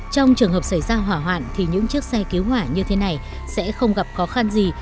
trong trường hợp xảy ra hỏa hoạn thì những chiếc xe cứu hỏa như thế này sẽ không gặp khó khăn gì